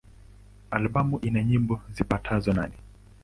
Albamu ina nyimbo zipatazo nane.